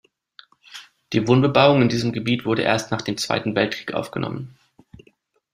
Die Wohnbebauung in diesem Gebiet wurde erst nach dem Zweiten Weltkrieg aufgenommen.